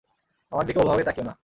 আমার দিকে ওভাবে তাকিয়ো না।